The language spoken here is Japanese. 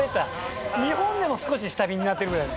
日本でも少し下火になってるぐらい。